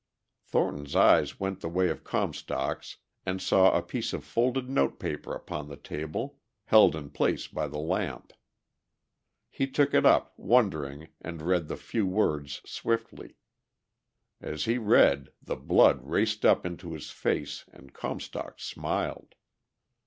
Thornton's eyes went the way of Comstock's, and saw a piece of folded notepaper upon the table, held in place by the lamp. He took it up, wondering, and read the few words swiftly. As he read the blood raced up into his face and Comstock smiled.